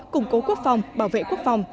củng cố quốc phòng bảo vệ quốc phòng